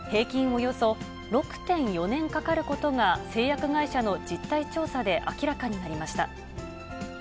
およそ６．４年かかることが、製薬会社の実態調査で明らかになりました。